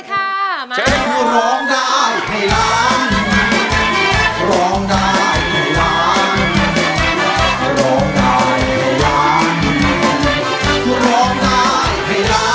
คุณตั้มตอบถูกครับ